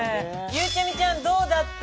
ゆうちゃみちゃんどうだった？